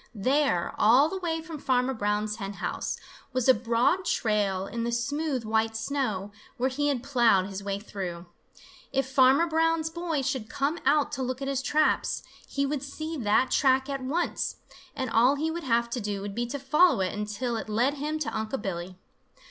There, all the way from Farmer Brown's hen house, was a broad trail in the smooth white snow, where he had plowed his way through. If Farmer Brown's boy should come out to look at his traps, he would see that track at once, and all he would have to do would be to follow it until it led him to Unc' Billy.